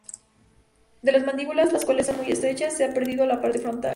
De las mandíbulas, las cuales son muy estrechas, se ha perdido la parte frontal.